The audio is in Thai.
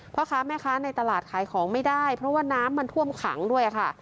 พ่อค้าแม่ค้าในตลาดขายของไม่ได้เพราะว่าน้ำมันท่วมขังด้วยค่ะ